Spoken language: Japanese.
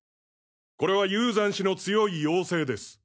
これは雄山氏の強い要請です。